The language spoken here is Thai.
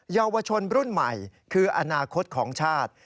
เยาวชนรุ่นใหม่คืออนาคตของชาติ